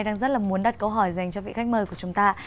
đang rất là muốn đặt câu hỏi dành cho vị khách mời của chúng ta